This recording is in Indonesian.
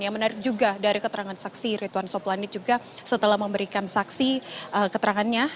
yang menarik juga dari keterangan saksi rituan soplanit juga setelah memberikan saksi keterangannya